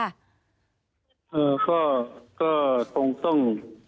เออก็คงต้อง